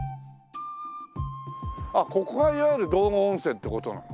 あっここがいわゆる道後温泉っていう事なの？